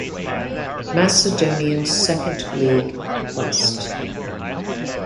Macedonian Second League (West)